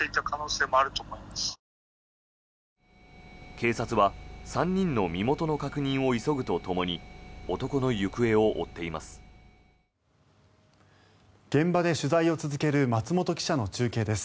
警察は３人の身元の確認を急ぐとともに男の行方を追っています。